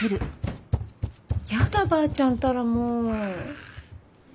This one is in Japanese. やだばあちゃんったらもう。